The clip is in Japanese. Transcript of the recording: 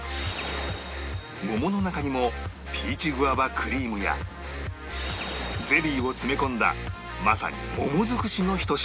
桃の中にもピーチグァバクリームやゼリーを詰め込んだまさに桃づくしのひと品